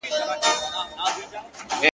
روژه چي څوک نيسي جانانه پېشلمی غواړي~